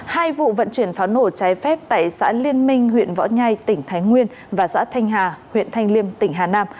hai vụ vận chuyển pháo nổ trái phép tại xã liên minh huyện võ nhai tỉnh thái nguyên và xã thanh hà huyện thanh liêm tỉnh hà nam